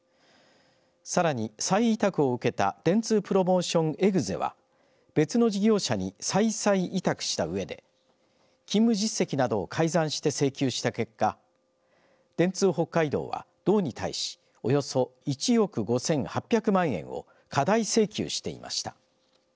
さらに再委託を受けた電通プロモーションエグゼは別の事業者に再々委託したうえで勤務実績などを改ざんして請求した結果電通北海道は道に対しおよそ１億５８００万円を過大請求していました。